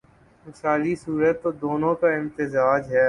مثالی صورت تو دونوں کا امتزاج ہے۔